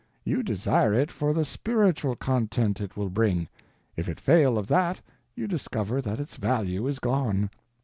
You desire it for the spiritual content it will bring; if it fail of that, you discover that its value is gone.